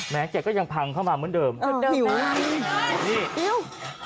แม้แกก็ยังพังเข้ามาเหมือนเดิมอ๋อหิวอุ๊ยอิ๊ว